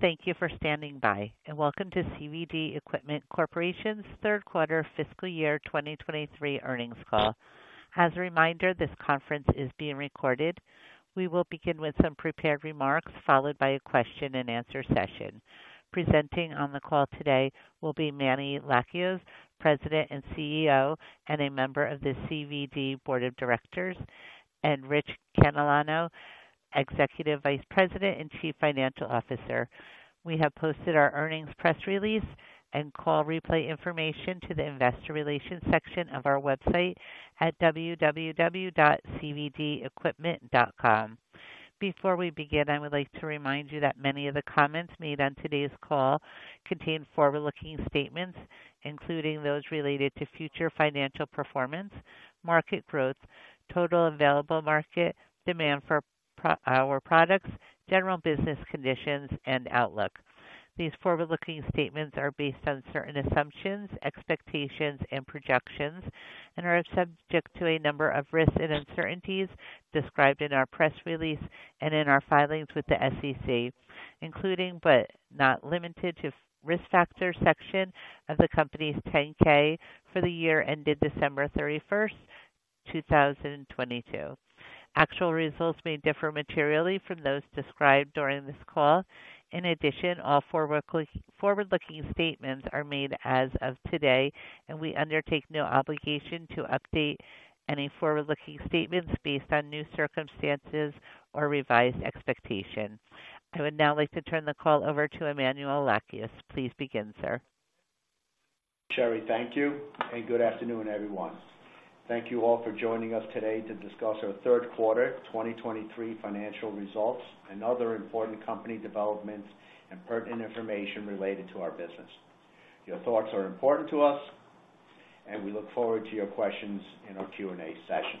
Thank you for standing by, and welcome to CVD Equipment Corporation's third quarter fiscal year 2023 earnings call. As a reminder, this conference is being recorded. We will begin with some prepared remarks, followed by a question-and-answer session. Presenting on the call today will be Manny Lakios, President and CEO, and a member of the CVD Board of Directors, and Rich Catalano, Executive Vice President and Chief Financial Officer. We have posted our earnings press release and call replay information to the investor relations section of our website at www.cvdequipment.com. Before we begin, I would like to remind you that many of the comments made on today's call contain forward-looking statements, including those related to future financial performance, market growth, total available market, demand for our products, general business conditions, and outlook. These forward-looking statements are based on certain assumptions, expectations, and projections, and are subject to a number of risks and uncertainties described in our press release and in our filings with the SEC, including, but not limited to, risk factor section of the company's 10-K for the year ended December 31st, 2022. Actual results may differ materially from those described during this call. In addition, all forward-looking, forward-looking statements are made as of today, and we undertake no obligation to update any forward-looking statements based on new circumstances or revised expectations. I would now like to turn the call over to Emmanuel Lakios. Please begin, sir. Sherry, thank you, and good afternoon, everyone. Thank you all for joining us today to discuss our third quarter, 2023 financial results and other important company developments and pertinent information related to our business. Your thoughts are important to us, and we look forward to your questions in our Q&A session.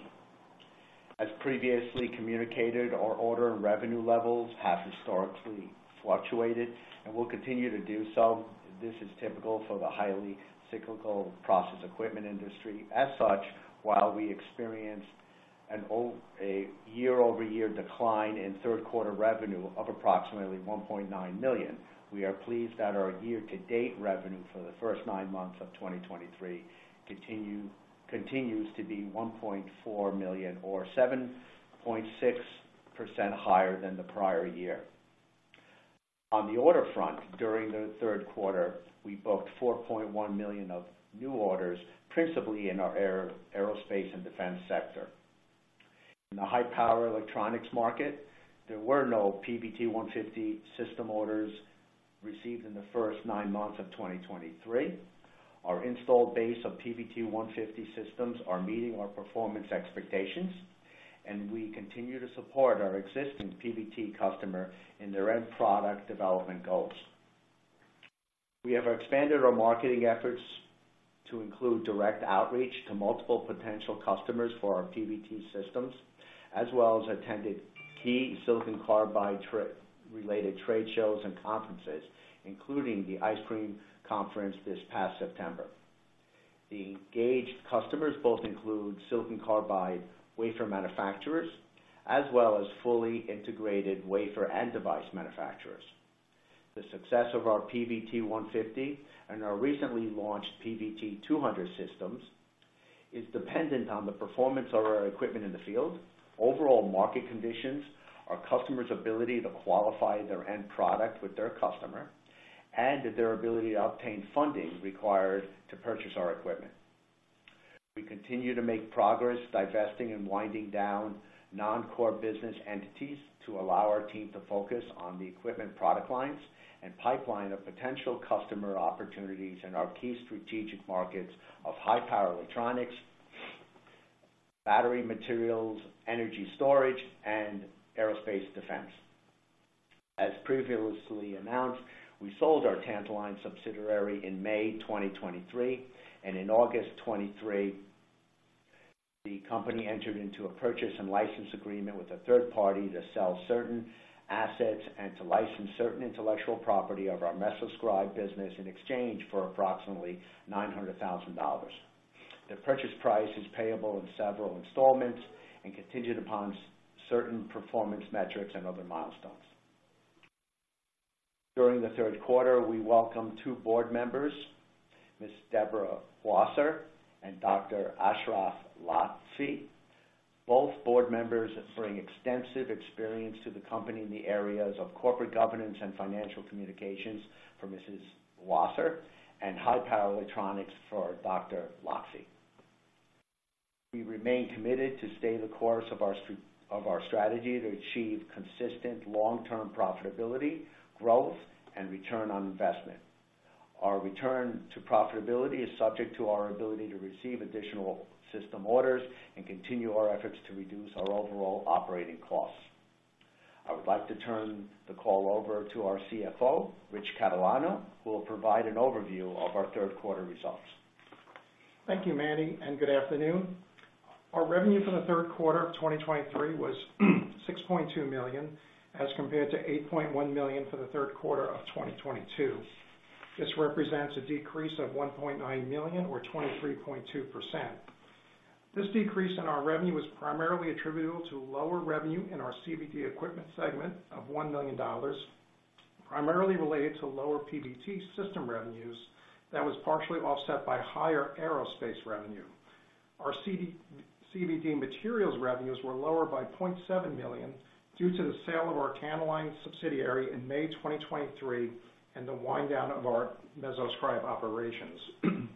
As previously communicated, our order and revenue levels have historically fluctuated and will continue to do so. This is typical for the highly cyclical process equipment industry. As such, while we experienced a year-over-year decline in third quarter revenue of approximately $1.9 million, we are pleased that our year-to-date revenue for the first nine months of 2023 continues to be $1.4 million or 7.6% higher than the prior year. On the order front, during the third quarter, we booked $4.1 million of new orders, principally in our aerospace and defense sector. In the high power electronics market, there were no PVT150 system orders received in the first nine months of 2023. Our installed base of PVT150 systems are meeting our performance expectations, and we continue to support our existing PVT customer in their end product development goals. We have expanded our marketing efforts to include direct outreach to multiple potential customers for our PVT systems, as well as attended key silicon carbide trade-related trade shows and conferences, including the ICSCRM conference this past September. The engaged customers both include silicon carbide wafer manufacturers as well as fully integrated wafer and device manufacturers. The success of our PVT150 and our recently launched PVT200 systems is dependent on the performance of our equipment in the field, overall market conditions, our customers' ability to qualify their end product with their customer, and their ability to obtain funding required to purchase our equipment. We continue to make progress divesting and winding down non-core business entities to allow our team to focus on the equipment product lines and pipeline of potential customer opportunities in our key strategic markets of high-power electronics, battery materials, energy storage, and aerospace defense. As previously announced, we sold our Tantaline subsidiary in May 2023, and in August 2023, the company entered into a purchase and license agreement with a third party to sell certain assets and to license certain intellectual property of our MesoScribe business in exchange for approximately $900,000. The purchase price is payable in several installments and contingent upon certain performance metrics and other milestones. During the third quarter, we welcomed two board members, Ms. Deb Wasser and Dr. Ashraf Lotfi. Both board members bring extensive experience to the company in the areas of corporate governance and financial communications for Ms. Wasser, and high-power electronics for Dr. Lotfi. We remain committed to stay the course of our of our strategy to achieve consistent long-term profitability, growth, and return on investment. Our return to profitability is subject to our ability to receive additional system orders and continue our efforts to reduce our overall operating costs. I would like to turn the call over to our CFO, Rich Catalano, who will provide an overview of our third quarter results. Thank you, Manny, and good afternoon. Our revenue for the third quarter of 2023 was $6.2 million, as compared to $8.1 million for the third quarter of 2022. This represents a decrease of $1.9 million or 23.2%....This decrease in our revenue was primarily attributable to lower revenue in our CVD Equipment segment of $1 million, primarily related to lower PVT system revenues that was partially offset by higher aerospace revenue. Our CVD Materials revenues were lower by $0.7 million due to the sale of our Tantaline subsidiary in May 2023 and the wind down of our MesoScribe operations.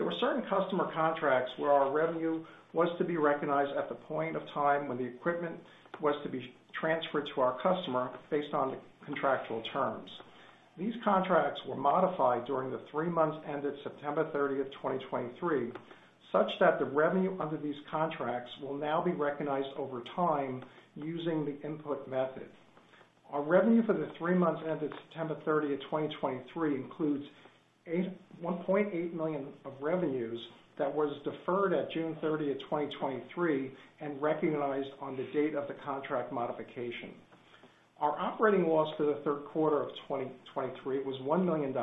There were certain customer contracts where our revenue was to be recognized at the point of time when the equipment was to be transferred to our customer based on the contractual terms. These contracts were modified during the three months ended September 30th, 2023, such that the revenue under these contracts will now be recognized over time using the input method. Our revenue for the three months ended September 30th, 2023, includes $8.1 million of revenues that was deferred at June 30th, 2023, and recognized on the date of the contract modification. Our operating loss for the third quarter of 2023 was $1 million,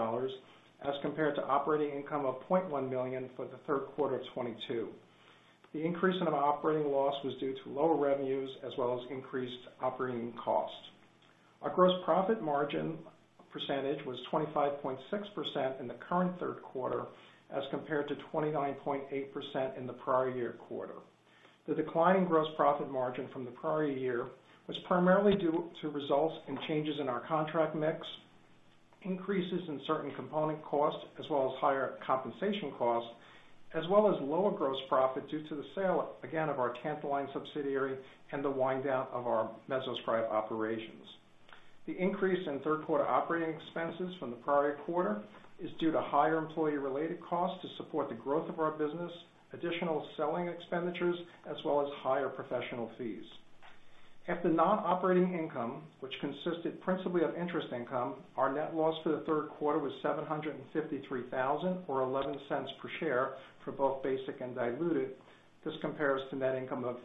as compared to operating income of $0.1 million for the third quarter of 2022. The increase in our operating loss was due to lower revenues as well as increased operating costs. Our gross profit margin percentage was 25.6% in the current third quarter, as compared to 29.8% in the prior year quarter. The decline in gross profit margin from the prior year was primarily due to results in changes in our contract mix, increases in certain component costs, as well as higher compensation costs, as well as lower gross profit, due to the sale, again, of our Tantaline subsidiary and the wind down of our MesoScribe operations. The increase in third quarter operating expenses from the prior quarter is due to higher employee-related costs to support the growth of our business, additional selling expenditures, as well as higher professional fees. After non-operating income, which consisted principally of interest income, our net loss for the third quarter was $753,000, or $0.11 per share for both basic and diluted. This compares to net income of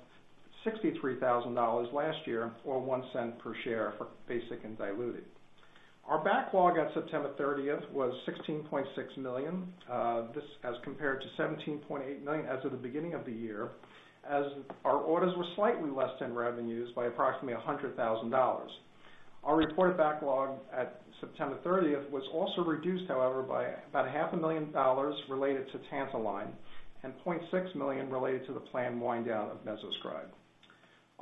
$63,000 last year, or $0.01 per share for basic and diluted. Our backlog on September 30th was $16.6 million, this as compared to $17.8 million as of the beginning of the year, as our orders were slightly less than revenues by approximately $100,000. Our reported backlog at September 30th was also reduced, however, by about $500,000 related to Tantaline and $0.6 million related to the planned wind down of MesoScribe.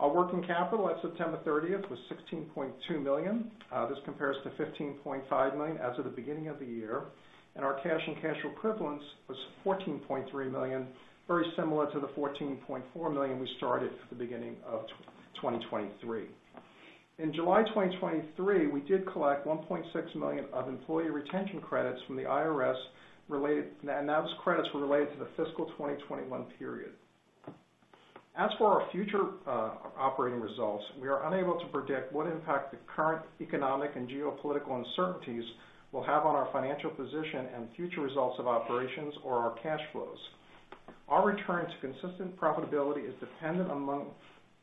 Our working capital at September 30th was $16.2 million. This compares to $15.5 million as of the beginning of the year, and our cash and cash equivalents was $14.3 million, very similar to the $14.4 million we started at the beginning of 2023. In July 2023, we did collect $1.6 million of employee retention credits from the IRS related, and that was credits were related to the fiscal 2021 period. As for our future, operating results, we are unable to predict what impact the current economic and geopolitical uncertainties will have on our financial position and future results of operations or our cash flows. Our return to consistent profitability is dependent, among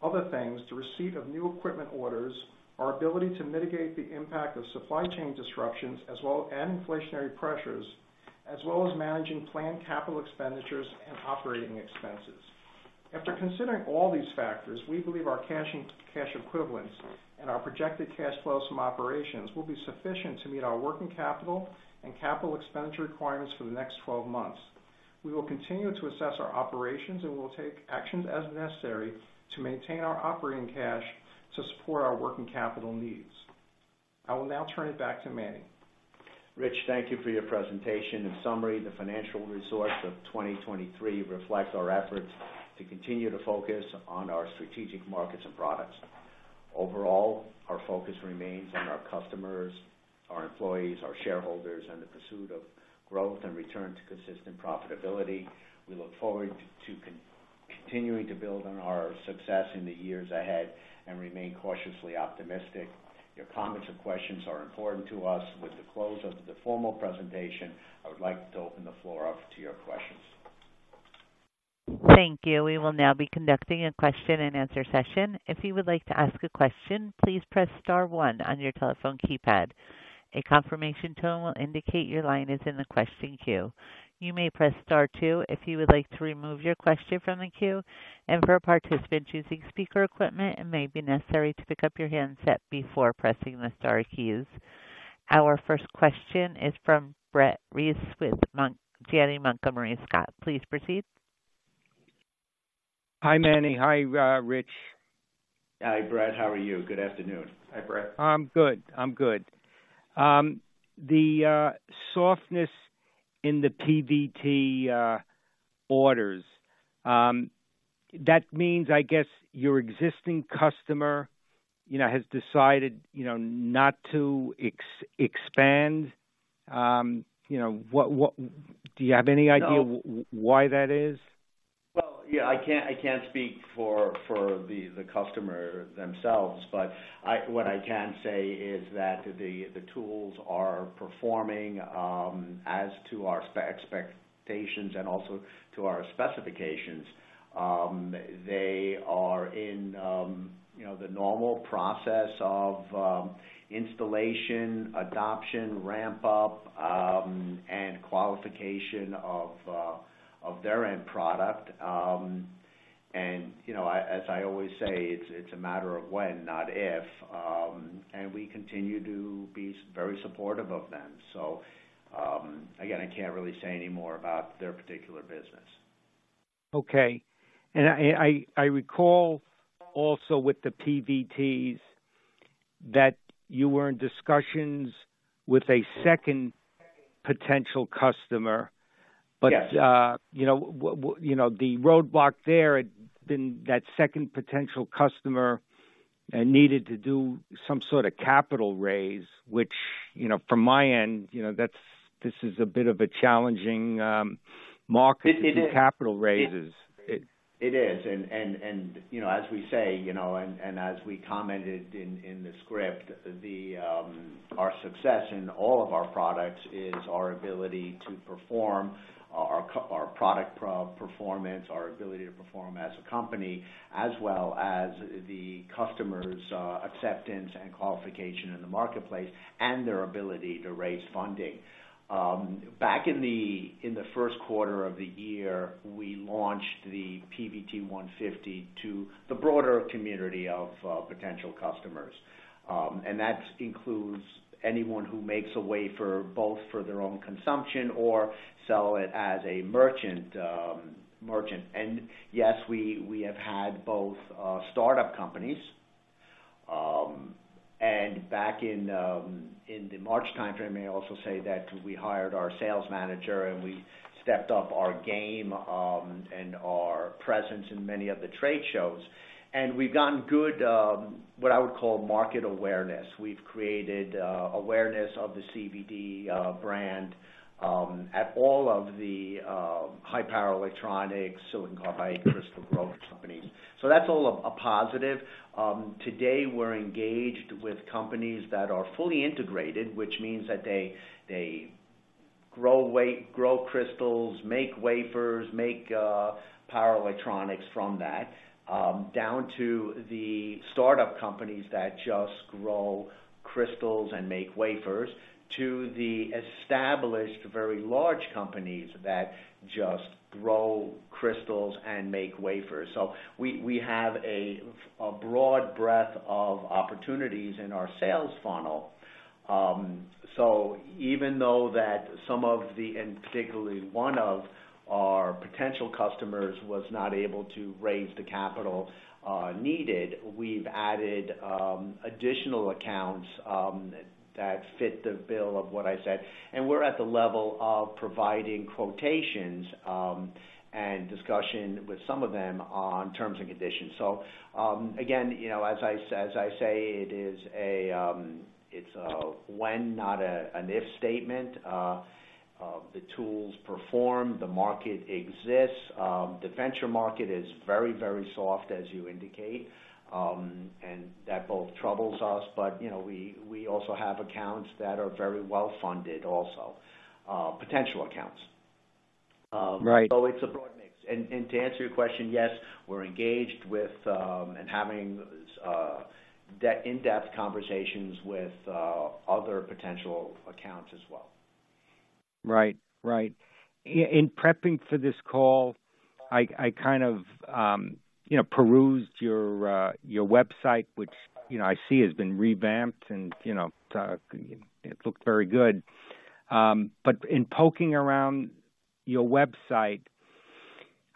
other things, the receipt of new equipment orders, our ability to mitigate the impact of supply chain disruptions, as well as and inflationary pressures, as well as managing planned capital expenditures and operating expenses. After considering all these factors, we believe our cash and cash equivalents and our projected cash flows from operations will be sufficient to meet our working capital and capital expenditure requirements for the next 12 months. We will continue to assess our operations, and we'll take actions as necessary to maintain our operating cash to support our working capital needs. I will now turn it back to Manny. Rich, thank you for your presentation. In summary, the financial results of 2023 reflect our efforts to continue to focus on our strategic markets and products. Overall, our focus remains on our customers, our employees, our shareholders, and the pursuit of growth and return to consistent profitability. We look forward to continuing to build on our success in the years ahead and remain cautiously optimistic. Your comments and questions are important to us. With the close of the formal presentation, I would like to open the floor up to your questions. Thank you. We will now be conducting a question and answer session. If you would like to ask a question, please press star one on your telephone keypad. A confirmation tone will indicate your line is in the question queue. You may press star two if you would like to remove your question from the queue. For a participant choosing speaker equipment, it may be necessary to pick up your handset before pressing the star keys. Our first question is from Brett Reiss with Janney Montgomery Scott. Please proceed. Hi, Manny. Hi, Rich. Hi, Brett. How are you? Good afternoon. Hi, Brett. I'm good. I'm good. The softness in the PVT orders, that means, I guess, your existing customer, you know, has decided, you know, not to expand. You know, do you have any idea- No. Why that is? Well, yeah, I can't speak for the customer themselves, but what I can say is that the tools are performing as to our expectations and also to our specifications. They are in, you know, the normal process of installation, adoption, ramp up and qualification of their end product. And, you know, as I always say, it's a matter of when, not if. And we continue to be very supportive of them. So, again, I can't really say any more about their particular business. Okay. I recall also with the PVTs, that you were in discussions with a second potential customer. Yes. But, you know, the roadblock there had been that second potential customer needed to do some sort of capital raise, which, you know, from my end, you know, that's, this is a bit of a challenging market- It is. To do capital raises. It is, and as we say, you know, and as we commented in the script, our success in all of our products is our ability to perform our product performance, our ability to perform as a company, as well as the customer's acceptance and qualification in the marketplace, and their ability to raise funding. Back in the first quarter of the year, we launched the PVT150 to the broader community of potential customers. And that includes anyone who makes a wafer, both for their own consumption or sell it as a merchant. Yes, we have had both startup companies and back in the March timeframe, I also say that we hired our sales manager, and we stepped up our game and our presence in many of the trade shows, and we've gotten good what I would call market awareness. We've created awareness of the CVD brand at all of the high-power electronics, silicon carbide, crystal growth companies. So that's all a positive. Today, we're engaged with companies that are fully integrated, which means that they grow crystals, make wafers, make power electronics from that down to the startup companies that just grow crystals and make wafers, to the established, very large companies that just grow crystals and make wafers. So we have a broad breadth of opportunities in our sales funnel. So even though that some of the... and particularly one of our potential customers, was not able to raise the capital needed, we've added additional accounts that fit the bill of what I said, and we're at the level of providing quotations and discussion with some of them on terms and conditions. So, again, you know, as I say, it is a, it's a when, not a, an if statement. The tools perform, the market exists, the venture market is very, very soft, as you indicate. And that both troubles us, but, you know, we, we also have accounts that are very well-funded also, potential accounts. Right. It's a broad mix. To answer your question, yes, we're engaged with and having in-depth conversations with other potential accounts as well. Right. Right. In prepping for this call, I kind of, you know, perused your your website, which, you know, I see has been revamped and, you know, it looked very good. But in poking around your website,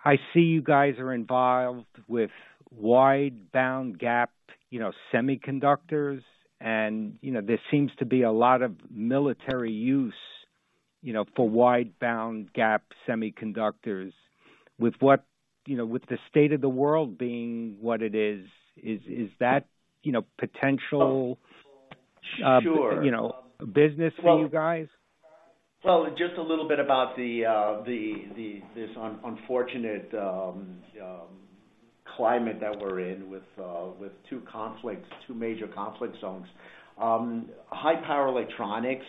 I see you guys are involved with wide bandgap, you know, semiconductors, and, you know, there seems to be a lot of military use, you know, for wide bandgap semiconductors. With what-- you know, with the state of the world being what it is, is that, you know, potential- Sure. You know, business for you guys? Well, just a little bit about the unfortunate climate that we're in with two conflicts, two major conflict zones. High power electronics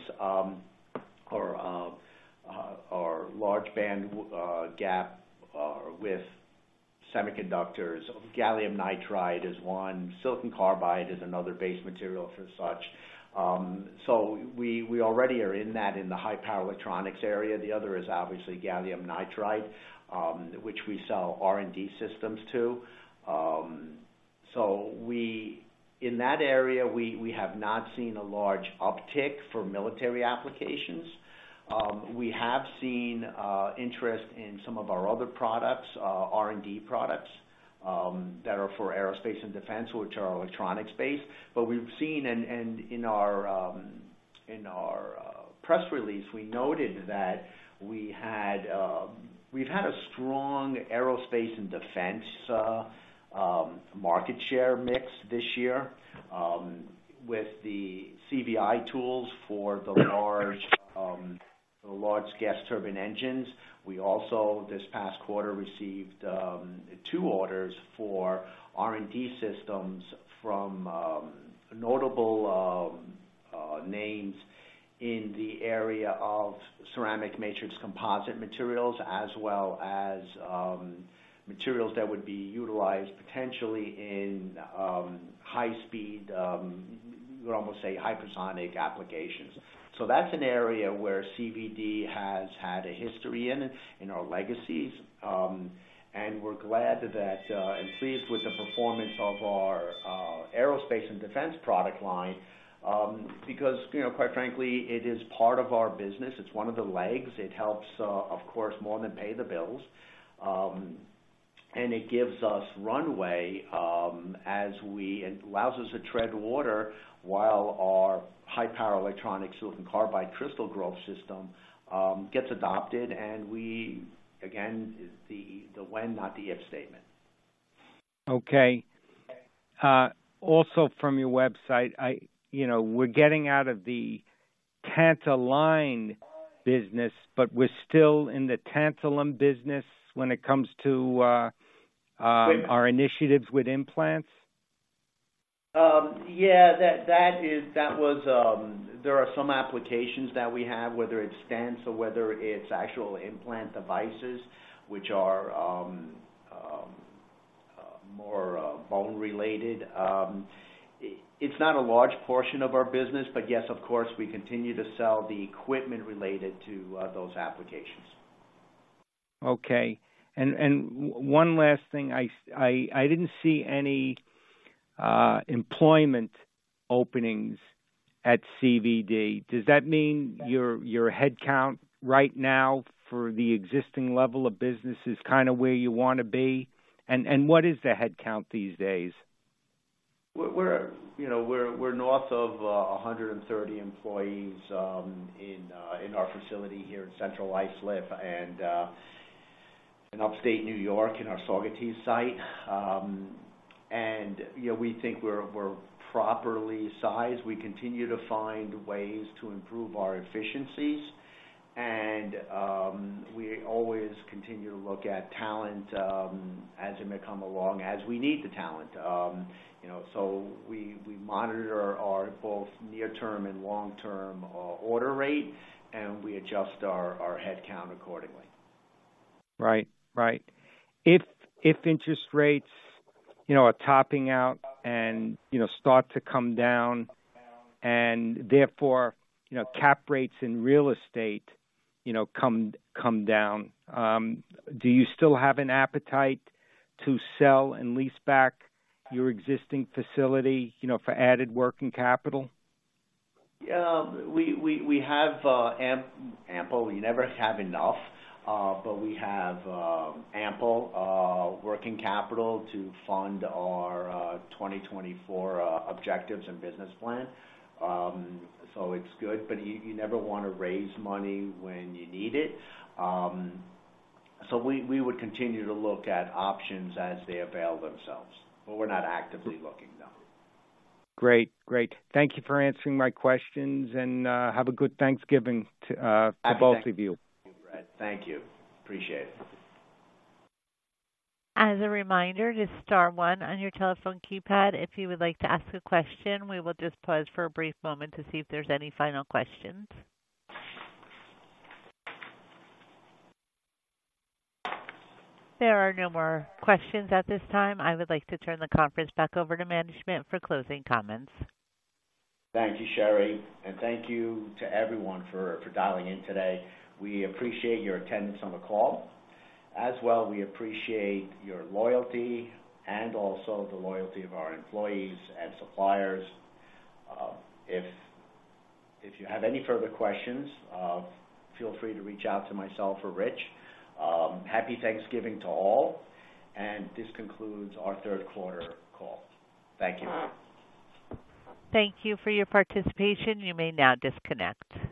or wide bandgap with semiconductors, gallium nitride is one, silicon carbide is another base material for such. So we already are in that, in the high power electronics area. The other is obviously Gallium Nitride, which we sell R&D systems to. In that area, we have not seen a large uptick for military applications. We have seen interest in some of our other products, R&D products, that are for aerospace and defense, which are electronics-based. But we've seen, and in our press release, we noted that we've had a strong aerospace and defense market share mix this year, with the CVD tools for the large gas turbine engines. We also, this past quarter, received two orders for R&D systems from a notable names in the area of ceramic matrix composite materials, as well as materials that would be utilized potentially in high speed hypersonic applications. So that's an area where CVD has had a history in our legacies. And we're glad that and pleased with the performance of our aerospace and defense product line, because, you know, quite frankly, it is part of our business. It's one of the legs. It helps, of course, more than pay the bills, and it gives us runway as it allows us to tread water while our high-power electronic silicon carbide crystal growth system gets adopted, and we again, it's the when, not the if statement. Okay. Also from your website, you know, we're getting out of the Tantaline business, but we're still in the tantalum business when it comes to our initiatives with implants? Yeah, that is. There are some applications that we have, whether it's stents or whether it's actual implant devices, which are more bone related. It's not a large portion of our business, but yes, of course, we continue to sell the equipment related to those applications. Okay. And one last thing. I didn't see any employment openings at CVD. Does that mean your headcount right now for the existing level of business is kind of where you want to be? And what is the headcount these days? You know, we're north of 130 employees in our facility here in Central Islip and in upstate New York, in our Saugerties site. And, you know, we think we're properly sized. We continue to find ways to improve our efficiencies and we always continue to look at talent, as it may come along, as we need the talent. You know, so we monitor our both near-term and long-term order rate, and we adjust our headcount accordingly. Right. Right. If interest rates, you know, are topping out and, you know, start to come down and therefore, you know, cap rates in real estate, you know, come down, do you still have an appetite to sell and lease back your existing facility, you know, for added working capital? Yeah, we have ample. You never have enough, but we have ample working capital to fund our 2024 objectives and business plan. So it's good, but you never wanna raise money when you need it. So we would continue to look at options as they avail themselves, but we're not actively looking, no. Great. Great. Thank you for answering my questions, and have a good Thanksgiving to, to both of you. Thank you. Appreciate it. As a reminder, just star one on your telephone keypad if you would like to ask a question. We will just pause for a brief moment to see if there's any final questions. There are no more questions at this time. I would like to turn the conference back over to management for closing comments. Thank you, Sherry, and thank you to everyone for dialing in today. We appreciate your attendance on the call. As well, we appreciate your loyalty and also the loyalty of our employees and suppliers. If you have any further questions, feel free to reach out to myself or Rich. Happy Thanksgiving to all, and this concludes our third quarter call. Thank you. Thank you for your participation. You may now disconnect.